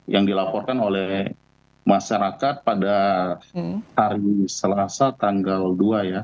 yang dilaporkan oleh masyarakat pada hari selasa tanggal dua ya